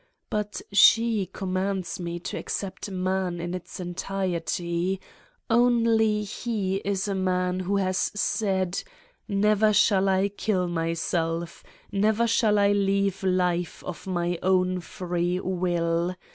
But she com mands me to accept man in his entirety : only he is a man who has said: never shall I kill myself, never shall I leave life of my own free will.